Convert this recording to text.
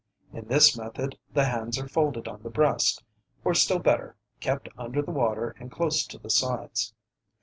In this method the hands are folded on the breast, or still better, kept under the water and close to the sides.